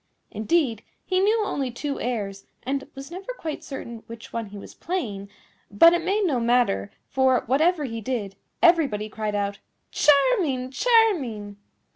Indeed, he knew only two airs, and was never quite certain which one he was playing; but it made no matter, for, whatever he did, everybody cried out, "Charming! charming!"